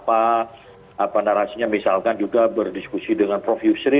apa narasinya misalkan juga berdiskusi dengan prof yusri